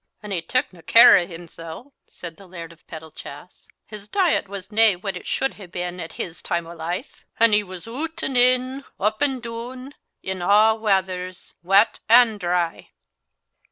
"An' he took nae care o' himsel'," said he Laird of Pettlechass. "His diet was nae what it should hae been at his time o' life. An' he was oot an' in, up an' doon, in a' wathers, wat an' dry."